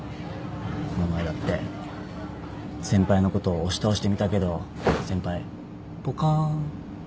この前だって先輩のこと押し倒してみたけど先輩ぽかんって顔してましたし。